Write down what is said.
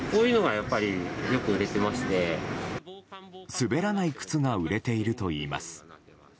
滑らない靴が売れているといいます。